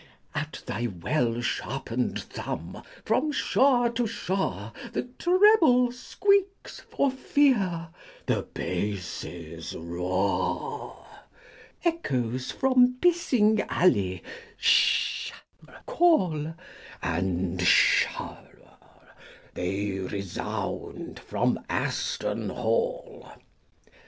At thy well sharpen'd thumb, from shore to shore The trebles squeak for fear, the basses roar : Echoes from Pissing Alley, Shadwell call, And Shadwell they resound from Aston Hall.